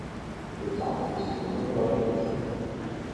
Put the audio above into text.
Le zampe sono nero ardesia.